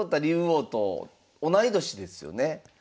竜王と同い年ですよね。